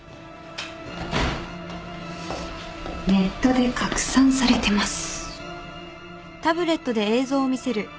ネットで拡散されてます。